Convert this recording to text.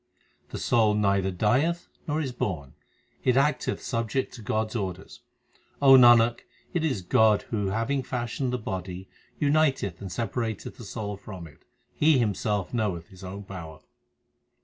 The soul neither dieth nor is born ; It acteth subject to God s orders. O Nanak, it is God who having fashioned the body uniteth and separateth the soul from it He Himself knoweth His own power.